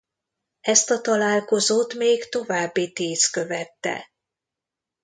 Ezt a találkozót még további tíz követte.